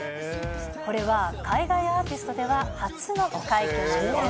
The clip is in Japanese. これは海外アーティストでは初の快挙なんです。